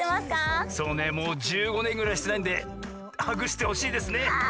そうねもう１５ねんぐらいしてないんでハグしてほしいですねた